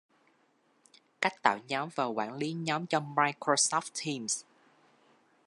Cách tạo nhóm và quản lý nhóm trong Microsoft Teams